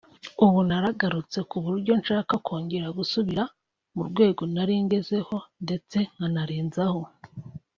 ubu naragarutse ku buryo shaka kongera gusubira ku rwego nari ngezeho ndetse nkanarenzaho”